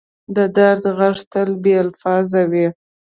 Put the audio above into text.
د درد ږغ تل بې الفاظه وي.